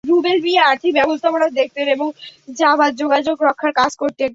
রুবেল মিয়া আর্থিক ব্যবস্থাপনা দেখতেন এবং জাবাথ যোগাযোগ রক্ষার কাজ করতেন।